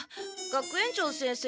学園長先生